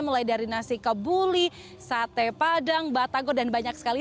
mulai dari nasi kebuli sate padang batagor dan banyak sekali